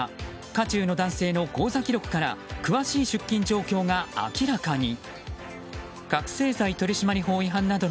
渦中の男性の口座記録から詳しい出金状況が明らかに。